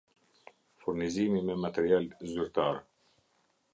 Furnizimi me material zyrtar